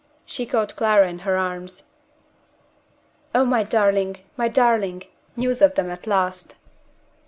She caught Clara in her arms. "Oh, my darling! my darling! news of them at last."